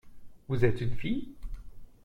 Vous êtes une fille ?